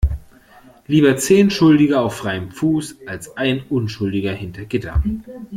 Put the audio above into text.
Lieber zehn Schuldige auf freiem Fuß als ein Unschuldiger hinter Gittern.